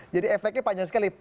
jadi efeknya panjang sekali